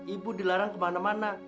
ibu dilarang kemana mana